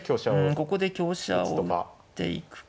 ここで香車を打っていくか。